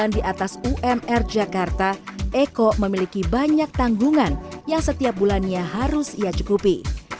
di atas umr jakarta eko memiliki banyak tanggungan yang setiap bulannya harus ia cukupi